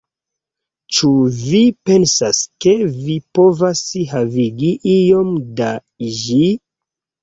Ĉu vi pensas, ke vi povas havigi iom da ĝi?